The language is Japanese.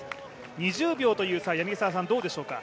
２０秒という差はどうでしょうか。